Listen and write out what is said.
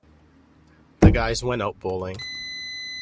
The guys went out bowling.